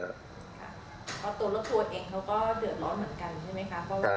เพราะตัวรถทัวร์เองเขาก็เดือดร้อนเหมือนกันใช่ไหมคะ